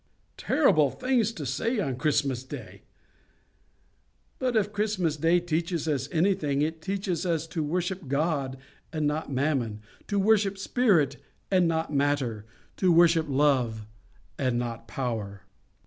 "Terrible things to say on Christmas Day! But if Christmas Day teaches us anything, it teaches us to worship God and not Mammon; to worship spirit and not matter; to worship love and not power.